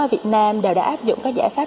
ở việt nam đều đã áp dụng các giải pháp